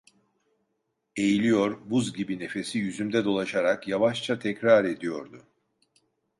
Eğiliyor, buz gibi nefesi yüzümde dolaşarak yavaşça tekrar ediyordu: